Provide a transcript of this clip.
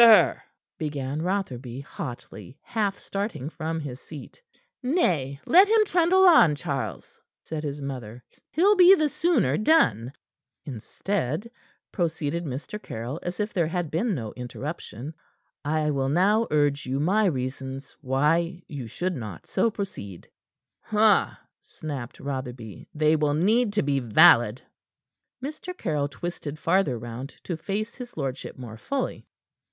"Sir " began Rotherby, hotly, half starting from his seat. "Nay, let him trundle on, Charles," said his mother. "He'll be the sooner done." "Instead," proceeded Mr. Caryll, as if there had been no interruption, "I will now urge you my reasons why you should not so proceed." "Ha!" snapped Rotherby. "They will need to be valid." Mr. Caryll twisted farther round, to face his lordship more fully.